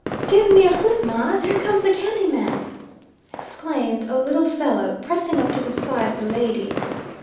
"Give me a fip, ma! there comes the candy man!" exclaimed a little fellow, pressing up to the side of the lady.